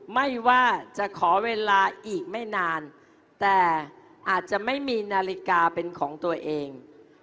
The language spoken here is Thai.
ไม่ว่าจะขอเวลาอีกไม่นานแต่อาจจะไม่มีนาฬิกาเป็นของตัวเอง